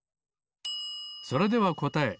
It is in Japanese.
それではこたえ。